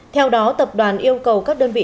theo đó tập đoàn yêu cầu các đơn vị